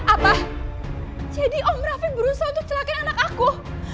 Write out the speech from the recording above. apa jadi om rafi berusaha untuk celakin anak aku